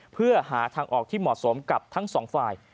เพื่อหาทางออกที่เหมาะสมกับทั้งสองฝ่าย